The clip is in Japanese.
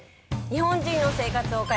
日本人の生活を変えた！